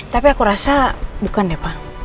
tapi aku rasa bukan deh pak